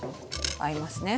合いますね。